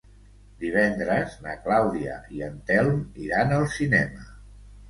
Divendres na Clàudia i en Telm iran al cinema.